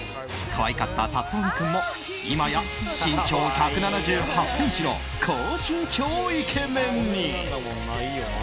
可愛かった龍臣君も今や、身長１７８ｃｍの高身長イケメンに。